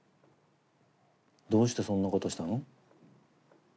どうしてそんなことしたの？